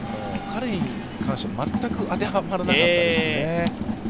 彼に関しては全くあてはまらなかったですね。